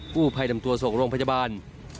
ผู้ภัยนำตัวส่งโรงพยาบาล